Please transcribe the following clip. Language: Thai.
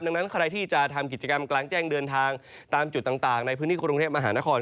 ดังนั้นใครที่จะทำกิจกรรมกลางแจ้งเดินทางตามจุดต่างในพื้นที่กรุงเทพมหานคร